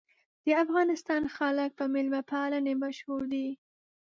د افغانستان خلک په میلمه پالنې مشهور دي.